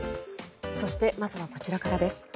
そして、まずはこちらからです。